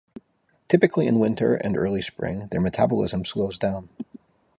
Typically in winter and early spring their metabolism slows down.